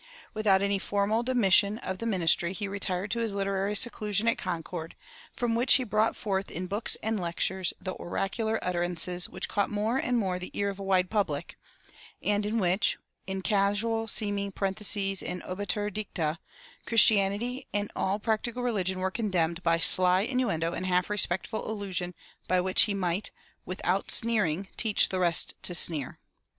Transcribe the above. Without any formal demission of the ministry, he retired to his literary seclusion at Concord, from which he brought forth in books and lectures the oracular utterances which caught more and more the ear of a wide public, and in which, in casual seeming parentheses and obiter dicta, Christianity and all practical religion were condemned by sly innuendo and half respectful allusion by which he might "without sneering teach the rest to sneer."